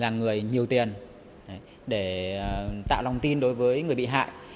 là người nhiều tiền để tạo lòng tin đối với người bị hại